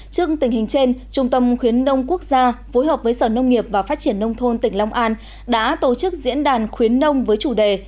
trước tình hình trên trung tâm khuyến nông quốc gia phối hợp với sở nông nghiệp và phát triển nông thôn tỉnh long an đã tổ chức diễn đàn khuyến nông với chủ đề